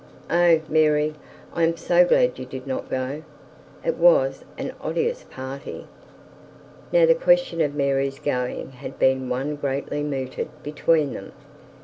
'Oh, Mary, I am so glad you did not go. It was an odious party.' Now the question of Mary's going had been one greatly mooted between them.